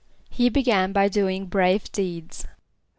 =He began by doing brave deeds.